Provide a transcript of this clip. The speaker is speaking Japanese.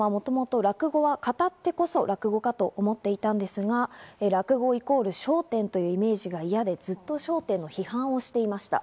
志らくさんはもともと落語は語ってこそ落語家だと思っていたんですが、落語イコール『笑点』というイメージが嫌でずっと『笑点』の批判をしていました。